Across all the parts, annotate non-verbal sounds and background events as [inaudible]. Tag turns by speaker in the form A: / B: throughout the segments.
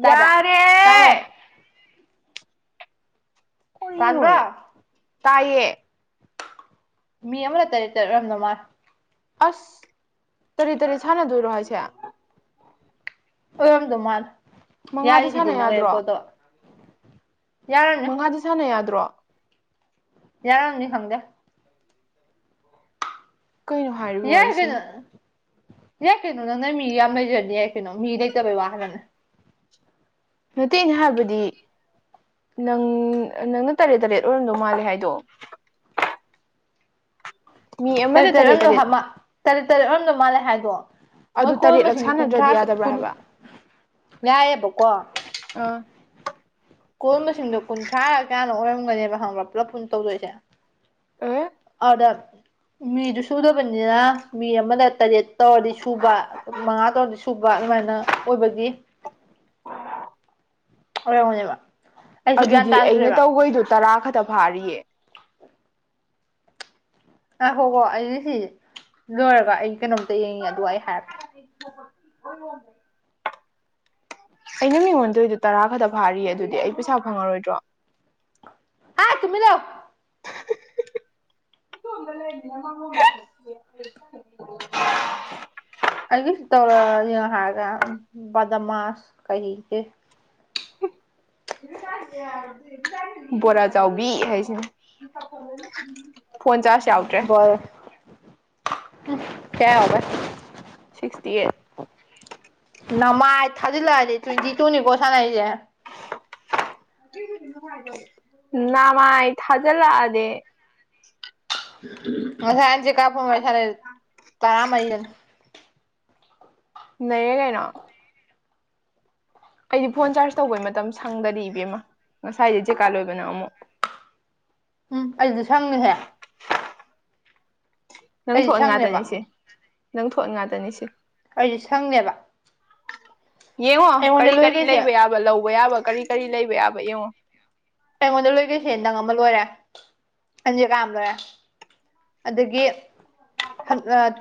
A: ꯇꯥꯕ꯭ꯔꯥ
B: ꯌꯥꯔꯦ
A: ꯇꯥꯕ꯭ꯔꯣ
B: ꯀꯔꯤꯅꯣ ꯅꯦ
A: ꯇꯥꯗ꯭ꯔꯥ
B: ꯇꯥꯏꯌꯦ꯫
A: ꯃꯤ ꯑꯃꯅ ꯇꯔꯦꯠ [unintelligible]
B: ꯑꯁ ꯇꯔꯤ ꯇꯔꯤ ꯁꯅ ꯗꯨꯢꯔꯣ ꯍꯥꯢꯁꯦ
A: ꯑꯣꯏꯔꯣꯝꯗꯧ ꯃꯥꯜꯂ
B: ꯃꯉꯥꯗ
A: ꯌꯥꯔꯤꯁꯤꯗꯤ
B: ꯁꯥꯟꯅ ꯌꯥꯗ꯭ꯔꯣ
A: ꯅꯈ꯭ꯔꯦꯀꯣꯠꯇꯣ ꯌꯥꯔꯅꯤ
B: ꯃꯉꯥꯗ ꯁꯥꯟꯅ ꯌꯥꯗ꯭ꯔꯣ꯫
A: ꯌꯥꯔꯝꯅꯤ ꯈꯪꯗꯦ꯫
B: ꯀꯩꯅꯣ ꯍꯥꯏꯔꯤꯕ
A: ꯌꯥꯏ ꯀꯩꯅꯣ꯫
B: ꯋꯥꯔꯤꯁꯤꯅ
A: ꯌꯥꯏ ꯀꯩꯅꯣ ꯅꯪꯅ ꯃꯤ ꯌꯥꯝ ꯂꯩꯖꯔꯗꯤ ꯌꯥꯏ ꯀꯩꯅꯣ ꯃꯤ ꯂꯩꯇꯕꯩ ꯋꯥ ꯈꯛꯇꯅꯦ꯫
B: ꯅꯠꯇꯦ ꯑꯩꯅ ꯍꯥꯏꯕꯗꯤ꯫ ꯅꯪ ꯅꯪꯅ ꯇꯔꯦꯠ ꯇꯔꯦꯠ ꯑꯣꯏꯔꯝꯗꯧ ꯃꯥꯜꯂꯦ ꯍꯥꯏꯗꯣ꯫
A: ꯇꯔꯠ ꯇꯔꯦꯠ ꯑꯣꯔꯝꯗꯧ ꯇꯔꯦꯠ ꯇꯔꯦꯠꯂꯣꯝꯗꯧ ꯃꯥꯜꯂꯦ ꯍꯥꯏꯗꯣ ꯃꯣꯏ
B: ꯑꯗꯨ
A: ꯀꯣꯜ
B: ꯇꯔꯦꯠꯂꯛ
A: ꯃꯁꯤꯡꯗꯨ ꯀꯨꯟꯊ꯭ꯔꯥ
B: ꯁꯥꯟꯅꯗ꯭ꯔꯗꯤ
A: ꯁꯨ
B: ꯌꯥꯗꯕ꯭ꯔꯥ
A: ꯀꯨꯟ
B: ꯍꯥꯏꯕ
A: ꯌꯥꯏꯌꯦꯕꯀꯣ
B: ꯑꯥ꯫
A: ꯀꯣꯜ ꯃꯁꯤꯡꯗꯣ ꯀꯨꯟꯊ꯭ꯔꯥ ꯀꯌꯥꯅꯣ ꯑꯣꯏꯔꯝꯒꯅꯦꯕ ꯈꯪꯕ꯭ꯔꯥ ꯄꯨꯂꯞ ꯄꯨꯟ ꯇꯧꯗꯣꯏꯁꯦ
B: ꯑꯦ꯫
A: ꯄꯗ ꯃꯤꯗꯨ ꯁꯨꯗꯕꯅꯤꯅ ꯃꯤ ꯑꯃꯗ ꯇꯔꯦꯠ ꯇꯧꯔꯗꯤ ꯁꯨꯕ ꯃꯉꯥ ꯇꯧꯔꯗꯤ ꯁꯨꯕ ꯑꯗꯨꯃꯥꯏꯅ ꯑꯣꯏꯕꯒꯤ꯫ ꯑꯣꯢꯔꯝꯒꯅꯤꯕ꯫
B: ꯑꯗꯨꯗꯤ ꯑꯩꯅ ꯇꯧꯕꯩꯗꯣ ꯇꯔꯥ ꯈꯛꯇ ꯐꯥꯔꯤꯌꯦ꯫
A: [unintelligible] ꯑꯩ ꯁꯤ ꯂꯣꯏꯔꯒ ꯑꯩ ꯀꯩꯅꯣꯝꯇ ꯌꯦꯡꯉꯦ ꯑꯗꯨꯒ ꯑꯩ ꯍꯥꯏꯔꯛꯀꯦ
B: [unintelligible] ꯑꯩꯅ ꯃꯤꯡꯉꯣꯟꯗꯣꯏꯗꯨ ꯇꯔꯥ ꯈꯔꯗ ꯐꯥꯔꯤꯌꯦ ꯑꯗꯨꯗꯤ ꯑꯩ ꯄꯩꯁꯥ ꯐꯪꯉꯔꯣꯏꯗ꯭ꯔꯣ
A: ꯑ ꯇꯨꯃꯤꯜ ꯂꯩꯌꯣ
B: [unintelligible] [inaudible]
A: ꯑꯩꯒꯤꯁꯨ ꯇꯧꯔꯒ ꯌꯦꯡꯉꯣ ꯍꯥꯏꯔꯒ ꯕꯗꯃꯥꯁ ꯀꯔꯤꯒꯦ
B: ꯕꯣꯔꯥ ꯆꯥꯎꯕꯤ ꯍꯥꯏꯁꯤꯅꯦ ꯐꯣꯟ ꯆꯥꯔꯁ ꯌꯥꯎ
A: [inaudible]
B: ꯁꯤꯛꯁꯇꯤ ꯑꯩꯠ꯫
A: ꯅꯃꯥꯏ ꯊꯥꯖꯤꯜꯂꯛꯑꯗꯤ ꯇ꯭ꯋꯦꯟꯇꯤ ꯇꯨꯅꯤꯀꯣ ꯁꯥꯟꯅꯩꯁꯦ꯫
B: ꯅꯃꯥꯏ ꯊꯥꯖꯜꯂ ꯑꯗꯤ꯫
A: ꯉꯁꯥꯏꯟ ꯆꯦꯀꯥ ꯐꯣꯟ ꯋꯥꯢ ꯁꯥꯅꯥꯖꯦ ꯇꯔꯥꯃꯔꯤꯗꯅ
B: ꯅꯩꯔꯦ ꯀꯩꯅꯣ꯫ ꯑꯩꯗꯤ ꯐꯣꯟ ꯆꯥꯔꯖ ꯇꯧꯕꯩ ꯃꯇꯝ ꯁꯪꯗꯗꯤ ꯏꯕꯦꯝꯃ ꯉꯁꯥꯏꯗꯤ ꯖꯦꯀꯥ ꯂꯣꯏꯕꯅ ꯑꯃꯨꯛ
A: ꯎꯝ ꯑꯩꯁꯨ ꯁꯪꯉꯦꯍꯦ
B: ꯅꯪ
A: ꯑꯩꯗꯤ
B: ꯊꯣꯛꯍꯟ ꯉꯥꯛꯇꯅꯤ
A: ꯁꯪꯅꯦꯕ
B: ꯁꯤ ꯅꯪ ꯊꯣꯛꯍꯟ ꯉꯥꯛꯇꯅꯤ ꯁꯤ
A: ꯑꯩ ꯁꯪꯅꯦꯕ
B: ꯌꯦꯡꯉꯣ
A: ꯑꯩꯉꯣꯟꯗ
B: ꯀꯔꯤ ꯀꯔꯤ
A: ꯂꯣꯏꯈꯩꯁꯦ
B: ꯂꯩꯕ ꯌꯥꯕ ꯂꯧꯕ ꯌꯥꯕ ꯀꯔꯤ ꯀꯔꯤ ꯂꯩꯕ ꯌꯥꯕ ꯌꯦꯡꯉꯣ
A: ꯑꯩꯉꯣꯟꯗ ꯂꯣꯏꯗꯣꯏꯁꯦ ꯅꯪ ꯑꯃ ꯂꯣꯏꯔꯦ [unintelligible] ꯀꯥ ꯑꯃ ꯂꯣꯏꯔꯦ ꯑꯗꯒꯤ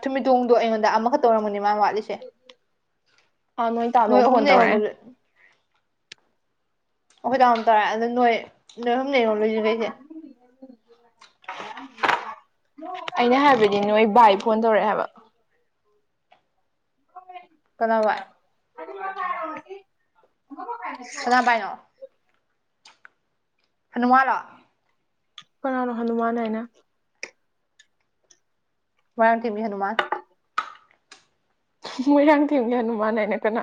A: ꯊꯨꯝꯃꯤꯗꯣꯡꯗꯣ ꯑꯩꯉꯣꯟꯗ ꯑꯃꯈꯛ ꯇꯧꯔꯝꯒꯅꯤ ꯃꯥ ꯋꯥꯠꯂꯤ
B: ꯑꯥ ꯇꯥꯗꯣ
A: ꯅꯣꯏ
B: ꯐꯣꯟ
A: ꯑꯍꯨꯝꯅ ꯑꯩꯉꯣꯟꯗ
B: ꯇꯧꯔꯛꯑꯦ
A: ꯑꯩꯈꯣꯏ ꯇꯥꯝ ꯇꯧꯔꯦ ꯑꯗꯣ ꯅꯣꯏ ꯅꯣꯏ ꯍꯨꯝ ꯂꯩ ꯌꯦꯔꯣ ꯂꯣꯏꯁꯤꯈꯩꯁꯦ
B: ꯑꯩꯅ ꯍꯥꯏꯕꯗꯤ ꯅꯣꯏ ꯕꯥꯏ ꯐꯣꯟ ꯇꯧꯔꯛꯑꯦ ꯍꯥꯏꯕ
A: ꯀꯅꯥ ꯋꯥꯏ
B: [unintelligible] [inaudible]
A: ꯀꯅꯥ ꯄꯥꯢꯅꯣ ꯍꯅꯨꯃꯥꯟꯂꯣ
B: ꯀꯅꯥꯅꯣ ꯍꯅꯨꯃꯥꯟ ꯍꯥꯏꯅ
A: ꯃꯣꯢꯔꯥꯡꯊꯦꯝꯒꯤ ꯍꯅꯨꯃꯥꯟ
B: ꯃꯣꯏꯔꯥꯡꯊꯦꯝꯒꯤ ꯍꯅꯨꯃꯥꯟ ꯍꯥꯏꯅ ꯀꯅꯥ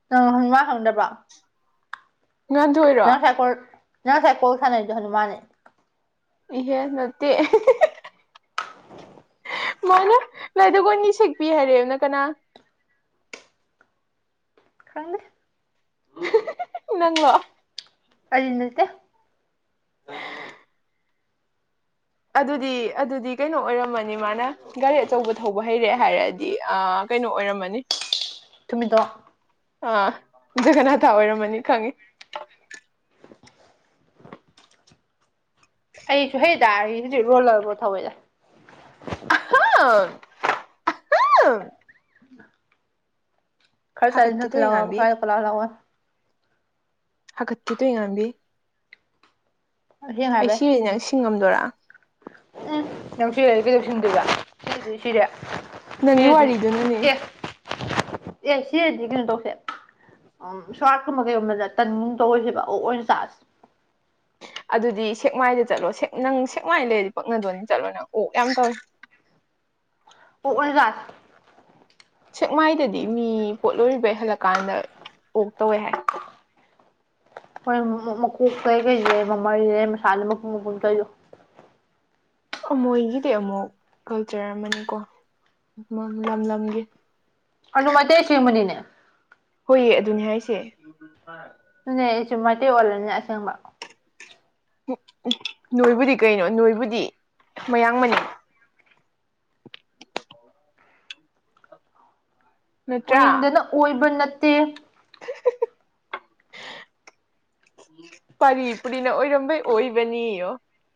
A: [unintelligible]
B: ꯉꯟꯊꯣꯏ
A: [unintelligible] ꯅꯪ ꯉꯥꯁꯥꯏ ꯀꯣꯜ ꯁꯥꯅꯩꯗꯣ ꯍꯥꯅꯨꯃꯥꯟ ꯅꯦ
B: ꯏꯍꯦ ꯅꯠꯇꯦ ꯃꯣꯏꯅ ꯂꯥꯏꯗꯒꯣꯟꯅꯤ ꯁꯛꯄꯤ ꯍꯥꯏꯔꯦꯕꯅ ꯀꯅꯥ
A: ꯈꯪꯗ
B: ꯅꯪꯂꯣ
A: ꯑꯩ ꯅꯠꯇ
B: [inaudible] ꯑꯗꯨꯗꯤ ꯑꯗꯨꯗꯤ ꯀꯩꯅꯣ ꯑꯣꯏꯔꯝꯃꯅꯤ ꯃꯥꯅ ꯒꯥꯔꯤ ꯑꯆꯧꯕ ꯊꯧꯕ ꯍꯩꯔꯦ ꯍꯥꯏꯔꯗꯤ ꯑ ꯀꯩꯅꯣ ꯑꯣꯏꯔꯝꯃꯅꯤ
A: [unintelligible]
B: ꯑꯥ ꯖꯒꯅꯥꯊ ꯑꯣꯏꯔꯝꯃꯅꯤ ꯈꯪꯉꯤ
A: ꯑꯩꯁꯨ ꯍꯩꯗꯥ ꯑꯩꯗꯤ ꯔꯣꯂꯔꯕꯣ ꯊꯧꯏꯗ
B: [unintelligible]
A: [unintelligible]
B: ꯍꯥꯒꯠꯀꯦ ꯇꯣꯏ ꯉꯝꯕꯤ ꯑꯩ ꯁꯤꯔꯤ ꯅꯁꯤ ꯁꯤꯡꯉꯝꯗꯣꯔꯥ
A: [unintelligible] ꯁꯤꯗ ꯁꯔ ꯁꯤꯗ
B: ꯅꯪꯒꯤ ꯋꯥꯔꯤꯗꯨꯅꯅꯦ
A: ꯑꯦ ꯑꯦ ꯁꯤꯗꯤ ꯀ ꯇꯧꯁꯦ ꯎ ꯁ꯭ꯋꯥꯔꯠꯀꯨꯝꯕ ꯀꯩꯒꯨꯝꯕꯗ ꯇꯟꯒꯨꯝ ꯇꯧꯔꯔꯤꯁꯦꯕ ꯑꯣ ꯑꯣꯏꯅ ꯆꯁꯦ
B: ꯑꯗꯨꯗꯤ ꯁꯦꯛꯃꯥꯏꯗ ꯆꯠꯂꯣ ꯅꯪ ꯁꯦꯛꯃꯥꯏ ꯂꯩꯔꯗꯤ ꯄꯛꯅꯗꯣꯟꯗꯤ ꯆꯠꯂꯣ ꯅꯪ ꯑꯣꯛ ꯌꯥꯝ ꯇꯧꯏꯦ
A: ꯑꯣ ꯎꯖꯔ
B: ꯁꯦꯛꯃꯥꯏꯗꯗꯤ ꯃꯤ ꯄꯣꯠꯂꯣꯏꯔꯤꯕꯩ ꯍꯜꯂꯛꯀꯥꯟꯗ ꯑꯣꯛ ꯇꯧꯋꯦ ꯍꯥꯏ
A: ꯍꯣꯏ ꯃꯀꯣꯛ ꯀꯩ ꯀꯩꯁꯦ ꯃꯃꯜꯁꯦ ꯃꯁꯥꯅ ꯃꯀꯨꯝ ꯃꯀꯨꯟ ꯀꯩꯣ
B: ꯃꯣꯏꯒꯤꯗꯤ ꯑꯃꯨꯛ ꯀꯜꯆꯔ ꯑꯃꯅꯤꯀꯣ ꯂꯝ ꯂꯝꯒꯤ
A: ꯑꯗꯨ ꯃꯥꯏꯇꯩ ꯁꯃꯅꯤꯅꯦ
B: ꯍꯣꯏꯌꯦ ꯑꯗꯨꯅꯦ ꯍꯥꯏꯁꯦ
A: ꯑꯗꯨꯅꯦ ꯑꯩꯁꯨꯨꯝ [unintelligible] ꯑꯣꯜꯂꯅꯤ ꯑꯁꯦꯡꯕ
B: ꯅꯣꯏꯕꯨꯗꯤ ꯀꯩꯅꯣ ꯅꯣꯏꯕꯨꯗꯤ ꯃꯌꯥꯡ ꯃꯅꯤ ꯅꯠꯇ꯭ꯔꯥ
A: ꯎꯔꯤꯅꯤꯡꯗꯅ ꯑꯣꯏꯕ ꯅꯠꯇꯦ
B: ꯄꯔꯤ ꯄꯨꯔꯤꯅ ꯑꯣꯏꯔꯝꯕꯩ ꯑꯣꯏꯕꯅꯤ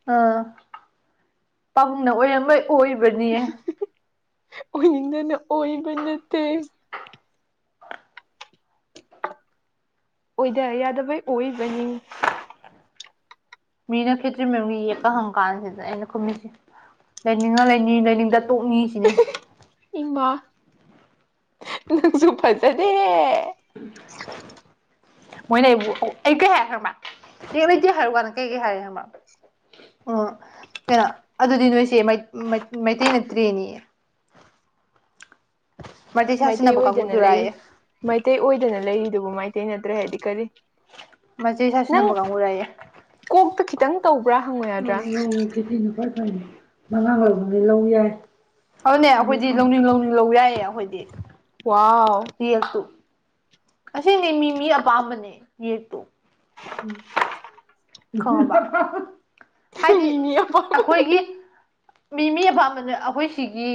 A: [unintelligible] ꯑꯣꯏꯔꯝꯕꯑꯩ ꯑꯣꯏꯕꯅꯤ
B: ꯑꯣꯏꯅꯤꯡꯗꯅ ꯑꯣꯏꯕ ꯅꯠꯇꯦ ꯑꯣꯏꯗ ꯌꯥꯗꯕꯩ ꯑꯣꯏꯕꯅꯤ
A: ꯃꯤꯅ ꯈꯦꯇ꯭ꯔꯤꯃꯌꯨꯝꯒꯤ ꯌꯦꯛꯄ ꯍꯪ ꯀꯥꯟꯁꯤꯗ ꯑꯩꯅ ꯈꯨꯝꯃꯤꯁꯤ꯫ ꯂꯩꯅꯤꯡꯉ ꯂꯩꯅꯤ ꯂꯩꯅꯤꯡꯗ ꯇꯣꯛꯅꯤ ꯁꯤꯅꯦ꯫
B: ꯏꯪꯃꯥ ꯅꯪꯁꯨ ꯐꯖꯗꯦ
A: ꯎꯝ ꯃꯣꯏꯅ ꯑꯩꯕꯨ ꯑꯩ ꯀꯩ ꯍꯥꯏ ꯍꯥꯏꯔꯃꯥ ꯂꯩꯇꯦ ꯍꯥꯏꯔꯨ ꯋꯥꯅ ꯀꯩꯀꯩ ꯍꯥꯏꯔꯦ ꯍꯥꯏꯪꯕ ꯑꯣ ꯀꯩꯅꯣ ꯑꯗꯨꯗꯤ ꯅꯣꯏꯁꯦ ꯃꯩꯇꯩ ꯅꯠꯇ꯭ꯔꯦꯅꯦ
B: ꯃꯩꯇꯩ
A: ꯁꯥꯁꯤꯟꯅꯕ
B: ꯑꯣꯏꯗꯅ ꯂꯩꯔꯤ
A: ꯀꯥꯡꯕꯨꯗꯨꯔꯥꯌꯦ
B: ꯃꯩꯇꯩ ꯑꯣꯏꯗꯅ ꯂꯩꯔꯤꯗꯨꯕꯨ ꯃꯩꯇꯩ ꯅꯠꯇ꯭ꯔꯦ ꯍꯥꯏꯗꯤ ꯀꯔꯤ
A: ꯃꯆꯦ ꯏꯁꯥꯁꯨ
B: ꯅꯪ
A: ꯅꯝꯕ ꯀꯥꯡꯕꯨꯨꯔꯥꯏꯑꯌꯦ
B: ꯀꯣꯛꯇ ꯈꯤꯇꯪ ꯇꯧꯕ꯭ꯔꯥ ꯍꯪꯉꯨ ꯌꯥꯗ꯭ꯔꯥ
A: ꯆꯤꯊꯤꯅ ꯈ꯭ꯋꯥꯏ ꯐꯏ ꯃꯉꯥꯡ ꯂꯧꯕꯅꯩ ꯂꯧ ꯌꯥꯏ ꯑꯗꯨꯅꯦ ꯑꯩꯈꯣꯏꯗꯤ ꯂꯧꯅꯤꯡ ꯂꯧꯅꯤꯡ ꯂꯧ ꯌꯥꯏꯌꯦ ꯑꯩꯈꯣꯏꯗꯤ
B: ꯋꯥꯎ
A: ꯌꯦꯁꯨ꯫ ꯑꯁꯤꯅꯤ ꯃꯤ ꯃꯤ ꯑꯄꯥꯝꯕꯅꯦ ꯌꯦꯛꯇꯣ꯫ ꯍꯥꯏꯗꯤ
B: ꯃꯤ ꯃꯤ ꯑꯄꯥꯝꯕ
A: ꯑꯩꯈꯣꯏꯒꯤ ꯃꯤ ꯃꯤ ꯑꯄꯥꯝꯕꯅ ꯑꯩꯈꯣꯏ ꯁꯤꯒꯤ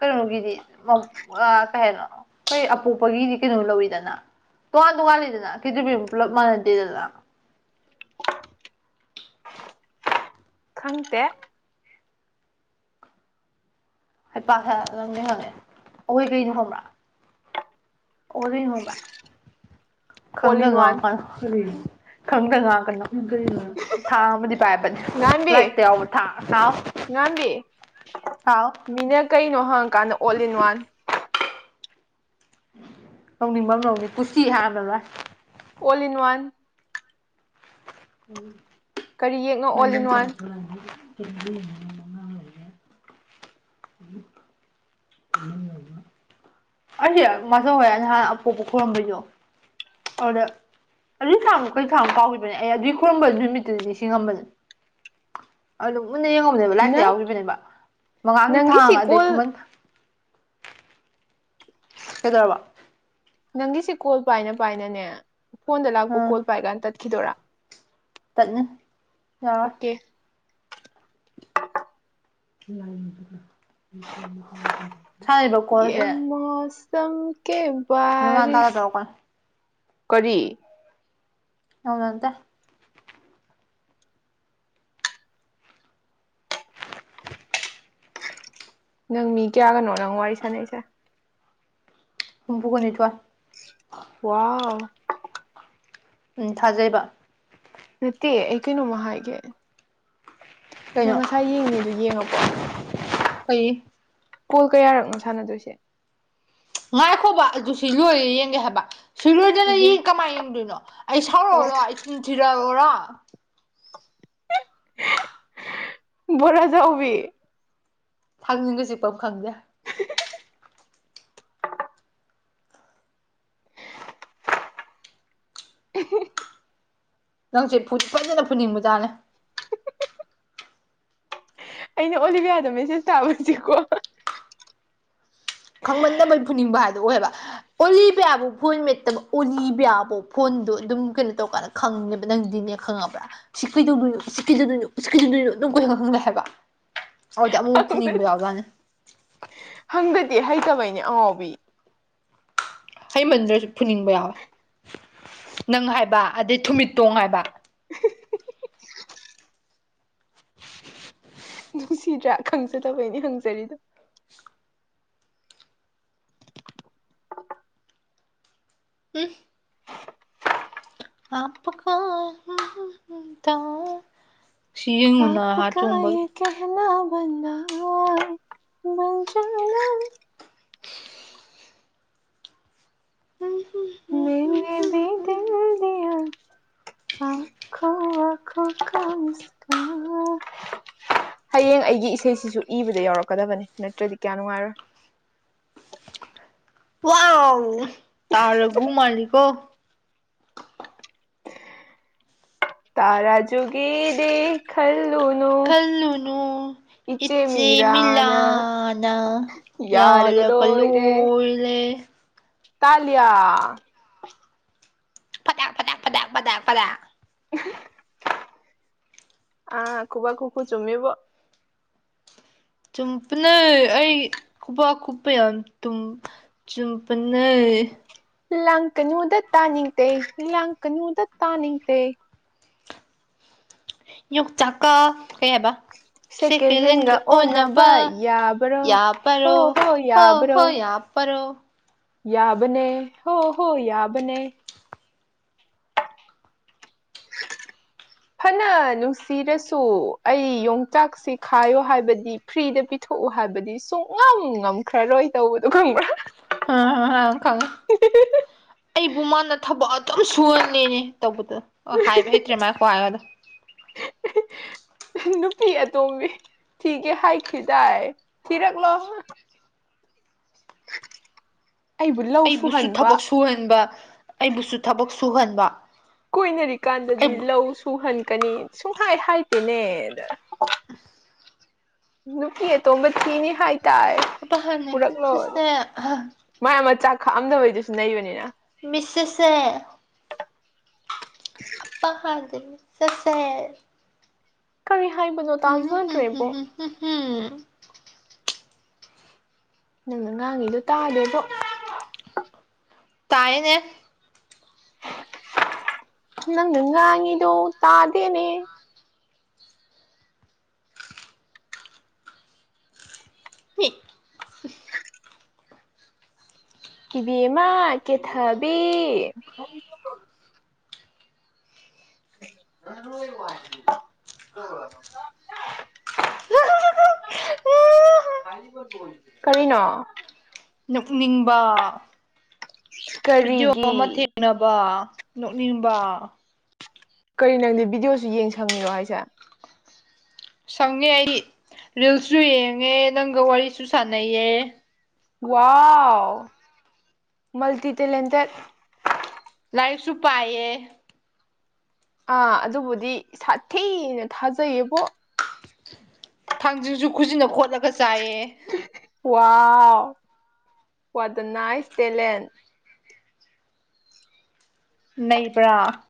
A: ꯀꯩꯅꯣꯒꯤꯗꯤ ꯀꯩꯩꯅꯣ ꯑꯩꯈꯣꯏ ꯑꯄꯣꯛꯄꯒꯤꯗꯤ ꯀꯩꯅꯣ ꯂꯧꯔꯤꯗꯅ ꯇꯣꯉꯥꯟ ꯇꯣꯉꯥꯟꯜꯂꯤꯗꯅ ꯈꯦꯇ꯭ꯕꯤ ꯑꯃꯨ ꯄꯨꯂꯞ ꯃꯥꯟꯅꯗꯦꯗꯅ
B: ꯈꯪꯗꯦ
A: ꯍꯩ ꯄꯁ ꯅꯪꯗꯤ ꯍꯪꯉꯦ ꯑꯩꯈꯣꯏ ꯀꯩꯗꯣ ꯈꯪꯕ꯭ꯔꯥ ꯑꯣꯗꯉꯣꯕ꯭ꯔ
B: ꯑꯣꯜ ꯏꯟ ꯋꯥꯟ
A: ꯈꯪꯗꯒꯀ ꯎ ꯈꯪꯗ ꯉꯥꯛ ꯀꯣ ꯊꯥ ꯑꯃꯗꯤ ꯄꯥꯏꯕꯅꯦ
B: ꯉꯥꯟꯕꯤ
A: ꯂꯥꯏꯔꯤꯛꯇ ꯌꯥꯎꯕ ꯊꯥ ꯂꯥꯎ
B: ꯉꯥꯟꯕꯤ
A: ꯍꯥꯎ
B: ꯃꯤꯅ ꯀꯩꯅꯣ ꯍꯪꯉꯀꯥꯟꯗ ꯑꯣꯜ ꯏꯟ ꯋꯥꯟ
A: ꯇꯧꯅꯤꯡꯕ ꯑꯃ ꯂꯧꯅꯤ ꯀꯨꯇꯤ ꯍꯥꯏꯕ꯭ꯔꯥ
B: ꯑꯣꯜ ꯏꯟ ꯋꯥꯟ ꯀꯔꯤ ꯌꯦꯛꯅꯣ ꯑꯣꯜ
A: ꯅꯅ
B: ꯏꯟ
A: ꯆ
B: ꯋꯥꯟ
A: ꯑꯩꯗꯤ ꯃꯁꯧ ꯍꯣꯏ ꯅꯍꯥꯟ ꯑꯄꯣꯛꯄ ꯈꯨꯣꯏꯔꯨꯝꯝꯕꯩꯗꯣ ꯑꯗꯨꯗ ꯑꯗꯨꯏ ꯁꯥꯡ ꯀ ꯁꯥꯡ ꯀꯥꯎꯈꯤꯕꯅꯦ ꯑꯩ ꯑꯗꯨꯏ ꯈꯨꯣꯏꯔꯝꯕ ꯑꯗꯨ ꯅꯨꯃꯤꯠꯇꯨꯗꯗꯤ ꯁꯤ ꯉꯝꯕꯅꯦ ꯑꯗꯨꯝ ꯃꯨꯟꯅ ꯌꯦꯡꯉꯧꯕꯅꯦꯕ ꯂꯥꯏꯔꯤꯛꯇ
B: ꯅꯪ
A: ꯌꯥꯎꯈꯤꯕꯅꯦꯕ ꯃꯉꯥꯡꯒꯤ ꯊꯥꯡ
B: ꯅꯪꯒꯤꯁꯤ
A: ꯑꯗꯩ
B: ꯀꯣꯜ
A: ꯈꯨꯃꯟ ꯍꯩꯗ꯭ꯔꯕꯥ
B: ꯅꯪꯒꯤꯁꯦ ꯀꯣꯜ ꯄꯥꯏꯅ ꯄꯥꯏꯅꯅꯦ ꯐꯣꯟꯗ ꯂꯥꯛꯄ
A: ꯑꯥ
B: ꯀꯣꯜ ꯄꯥꯏꯀꯥꯟ ꯇꯠꯈꯤꯗꯣꯏꯔꯥ
A: ꯇꯠꯅ ꯌꯥ
B: ꯑꯣꯀꯦ
A: ꯁꯥꯔꯤꯕ ꯀꯣꯟꯁꯦ ꯃꯃꯥꯡ ꯇꯥꯒ
B: ꯆꯀꯦꯕꯔꯤꯁ
A: ꯇꯧꯔꯛꯄꯅꯦ
B: ꯀꯔꯤ
A: ꯍꯅꯗ
B: ꯅꯪ ꯃꯤ ꯀꯌꯥꯒꯅꯣ ꯅꯪ ꯋꯥꯔꯤ ꯁꯥꯟꯅꯔꯤꯁꯦ
A: ꯍꯨꯝꯐꯨꯒ ꯅꯤꯊꯣꯢ
B: ꯋꯥꯎ
A: ꯎꯝ ꯊꯥꯖꯩꯕ
B: ꯅꯠꯇꯦ ꯑꯩ ꯀꯩꯅꯣꯝꯃ ꯍꯥꯏꯒꯦ ꯅꯪ
A: ꯀꯩꯅꯣ
B: ꯉꯁꯥꯏ ꯌꯦꯡꯅꯦ ꯑꯗꯨ ꯌꯦꯡꯉꯕꯣ
A: ꯑꯩꯩ
B: ꯀꯣꯜ ꯀꯌꯥꯔꯛꯅꯣ ꯁꯥꯟꯅꯗꯣꯏꯁꯦ
A: ꯉꯥꯏꯈꯣꯕ ꯑꯗꯨ ꯁꯤ ꯂꯣꯏꯔꯦ ꯌꯦꯡꯒꯦ ꯍꯥꯏꯕ ꯁꯤꯔꯣꯏꯗꯅ ꯌꯦ
B: ꯏꯍꯦ
A: ꯀꯃꯥꯏꯅ ꯌꯦꯡꯗꯣꯏꯅꯣ ꯑꯩ ꯁꯥꯎꯔꯛꯑꯣꯔꯣ ꯑꯩ ꯇꯤꯟ ꯊꯤꯔꯛꯂꯔꯣ
B: ꯣꯔꯖꯎꯕꯤ
A: ꯊꯥꯡꯅꯤꯡꯒꯁꯤꯛ ꯄꯥꯎ ꯈꯪꯗꯦ ꯅꯪꯁꯦ ꯐꯨꯗꯤꯐꯖꯅ ꯐꯨꯅꯤꯡꯕꯖꯥꯠꯅꯦ
B: ꯑꯩꯅ ꯑꯣꯂꯤꯕꯤꯌꯥꯗ ꯃꯦꯁꯦꯁ ꯇꯥꯕꯁꯤꯀꯣ
A: ꯈꯪꯃꯟꯗꯕꯩ ꯐꯨꯅꯤꯡꯕ ꯍꯥꯏꯗꯣ ꯑꯣꯏꯑꯕ ꯑꯣꯂꯤꯕꯤꯌꯥꯕꯨ ꯐꯣꯟ ꯃꯦꯠꯇ ꯑꯣꯂꯤ ꯕꯤꯌꯥꯕꯨ ꯐꯣꯟꯗꯣ ꯑꯗꯨꯝ ꯀꯩꯅꯣ ꯇꯧꯀꯥꯟꯗ ꯈꯪꯉꯦꯕ ꯅꯪꯗꯤꯅꯦ ꯈꯪꯉꯕ꯭ꯔꯥ [unintelligible] ꯑꯗꯨꯗ ꯑꯃꯨꯃꯨꯛ ꯐꯨꯅꯤꯡꯕ ꯌꯥꯎꯖꯅꯤ
B: ꯍꯪꯗꯗꯤ ꯍꯩꯇꯕꯩꯅꯦ ꯑꯉꯥꯎꯕꯤ
A: ꯍꯩꯃꯟꯗꯨ꯭ꯔꯁꯨ ꯐꯨꯅꯤꯡꯕ ꯌꯥꯎꯋꯦ ꯅꯪ ꯍꯥꯏꯕ ꯑꯗꯩ ꯊꯨꯃꯤꯠꯇꯣꯡ ꯍꯥꯏꯕ
B: ꯅꯨꯡꯁꯤꯗ꯭ꯔꯥ ꯈꯪꯖꯗꯕꯩꯅꯦ ꯍꯪꯖꯔꯤꯗꯣ
A: [inaudible] [unintelligible] ꯁꯤ ꯌꯦꯡꯉꯨꯅ ꯍꯥ ꯆꯣꯡꯕꯒꯤ
B: [unintelligible]
A: ꯎꯝ ꯍꯝ
B: [unintelligible] [unintelligible] [unintelligible] ꯍꯌꯦꯡ ꯑꯩꯒꯤ ꯏꯁꯩꯁꯤꯁꯨ ꯏꯕꯗ ꯌꯥꯎꯔꯛꯀꯗꯕꯅꯦ ꯅꯠꯇ꯭ꯔꯗꯤ ꯀꯌꯥ ꯅꯨꯡꯉꯥꯏꯔꯣꯏ
A: ꯋꯥꯎ ꯇꯥ ꯔꯒꯨ ꯃꯜꯂꯤꯀꯣ
B: ꯇꯔꯥꯖꯨꯒꯤꯗꯤ
A: ꯈꯜꯂꯨꯅꯨ ꯏꯆꯦ ꯃꯤꯂꯅ ꯌꯜ
B: ꯌꯥꯔꯒ
A: ꯀ
B: ꯂꯣꯏꯔꯦ
A: ꯂꯣꯂꯦ [unintelligible] [unintelligible]
B: ꯇꯥꯂꯤꯌꯥ
A: [unintelligible]
B: ꯑ ꯈꯨꯕꯥꯛ ꯈꯨꯈꯨ ꯆꯨꯝꯃꯤꯕꯨ
A: ꯆꯨꯝꯄꯅꯦ ꯑꯩ ꯈꯨꯕꯥꯛ [unintelligible] ꯆꯨꯝꯄꯅꯦ
B: ꯂꯪꯀꯅꯨꯗꯇꯥ ꯇꯅꯤꯡꯇꯦ ꯂꯪꯀꯅꯨꯗ ꯇꯅꯤꯡꯇꯦ
A: ꯌꯣꯡꯆꯥꯛꯀ ꯀꯩ ꯍꯥꯏꯕ ꯁꯦꯀꯦꯟ
B: ꯍꯦꯟꯒ
A: ꯂꯦꯟꯒ ꯑꯣꯟꯅꯕ
B: ꯌꯥꯕ꯭ꯔꯣ ꯍꯣ
A: ꯌꯥꯕꯔꯣ ꯍꯣ ꯍꯣ
B: ꯌꯥꯕ꯭ꯔꯣ
A: ꯌꯥ ꯄꯔꯣ
B: ꯌꯥꯕꯅꯦ ꯍꯣ ꯍꯣ ꯌꯥꯕꯅꯦ
A: [unintelligible]
B: ꯐꯅ ꯅꯨꯡꯁꯤꯔꯁꯨ ꯑꯩ ꯌꯣꯡꯆꯥꯛꯁꯤ ꯈꯥꯏꯌꯣ ꯍꯥꯏꯕꯗꯤ ꯐ꯭ꯔꯤꯗ ꯄꯤꯊꯣꯛꯎ ꯍꯥꯏꯕꯗꯤ ꯁꯨꯡꯉꯝ ꯉꯝꯈ꯭ꯔꯔꯣꯏ ꯇꯧꯕꯗꯣ ꯈꯪꯕ꯭ꯔꯥ
A: [unintelligible] ꯑꯩꯕꯨ ꯃꯥꯅ ꯊꯕꯛ ꯑꯗꯨꯝ ꯁꯨꯍꯜꯂꯅꯦ ꯇꯧꯕꯗ ꯍꯥꯏꯕ ꯍꯩꯇ꯭ꯔꯦ ꯃꯥꯏꯀꯣ ꯍꯥꯏꯒꯗꯣ [unintelligible]
B: ꯅꯨꯄꯤ ꯑꯇꯣꯝꯕꯤ ꯊꯤꯒꯦ ꯍꯥꯏꯈꯤꯗꯥꯏ ꯊꯤꯔꯛꯂꯣ ꯑꯩꯕꯨ ꯂꯧ
A: ꯑꯩꯕꯨꯁꯨ
B: ꯁꯨꯍꯟꯕ
A: ꯊꯕꯛ ꯁꯨꯍꯟꯕ ꯑꯩꯕꯨꯁꯨ ꯊꯕꯛ ꯁꯨꯍꯟꯕ
B: ꯀꯣꯏꯅꯔꯤꯀꯥꯟꯗꯗꯤ
A: ꯑꯩꯕꯨ
B: ꯂꯧ ꯁꯨꯍꯟꯀꯅꯤ ꯁꯨꯡꯍꯥꯏ ꯍꯥꯏꯇꯦꯅꯦꯗ
A: [unintelligible]
B: ꯅꯨꯄꯤ ꯑꯇꯣꯕ ꯊꯤꯅꯤ ꯍꯥꯏꯇꯥꯥꯏ
A: ꯑꯄꯥ ꯍꯥꯟꯅ
B: ꯄꯨꯔꯛꯂꯣ
A: ꯆꯠꯁꯦ
B: ꯃꯥꯏ ꯑꯃ ꯆꯥꯛ ꯈꯥꯛꯑꯝꯗꯕꯩꯗꯨꯁꯨ ꯅꯩꯕꯅꯤꯅ
A: ꯃꯤꯁꯦꯁꯦ [unintelligible]
B: ꯀꯔꯤ ꯍꯥꯏꯕꯅꯣ ꯇꯥꯖꯗ꯭ꯔꯦꯕꯣ
A: ꯎ ꯍꯝ
B: ꯅꯪꯅ ꯉꯥꯡꯉꯤꯗꯣ ꯇꯥꯗꯦꯕꯣ
A: ꯇꯥꯥꯏꯑꯦꯅꯦ
B: ꯅꯪ ꯉꯥꯡꯉꯗꯨ ꯇꯥꯗꯦꯅꯦ
A: ꯍ
B: ꯏꯕꯦꯝꯃ ꯀꯦꯊꯕꯤ [unintelligible] ꯀꯅ
A: ꯅꯣꯛꯅꯤꯡꯕ ꯕꯤꯗꯤꯑꯣ ꯑꯃ ꯊꯦꯛ
B: ꯀꯔꯤꯒꯤ
A: ꯅꯅꯕ ꯅꯣꯛꯅꯤꯡꯕ
B: ꯀꯔꯤ ꯅꯪꯗꯤ ꯕꯤꯤꯗꯤꯑꯣꯁꯨ ꯌꯦꯡ ꯁꯪꯉꯤꯔꯣ ꯍꯥꯏꯁꯦ
A: ꯁꯪꯉꯦ ꯑꯩ ꯔꯤꯜꯁꯁꯨ ꯌꯦꯡꯉꯦ ꯅꯪꯒ ꯋꯥꯔꯤꯁꯨ ꯁꯥꯟꯅꯩꯌꯦ
B: ꯋꯥ ꯃꯜ ꯇ ꯇ ꯂꯩꯇꯔ
A: ꯂꯥꯏꯔꯤꯛꯁꯨ ꯄꯥꯏꯌꯦ
B: ꯑꯥ ꯑꯗꯨꯕꯨꯗꯤ ꯁꯥꯊꯤꯅ ꯊꯥꯖꯩꯌꯦꯕꯣ
A: ꯊꯥꯡꯖꯤꯡꯁꯨ ꯈꯨꯁꯤꯟꯅ ꯈꯣꯠꯂꯒ ꯆꯥꯏꯌꯦ
B: ꯋꯥ ꯋꯥꯠ ꯗ ꯅꯥꯏꯁ ꯇꯦꯂꯦꯟ
A: ꯅꯕ꯭ꯔꯥ